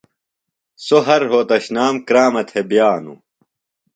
سوۡ ہر روھوتشنام کرامہ تھےۡ بِیانوۡ۔